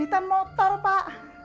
diambil kreditan motor pak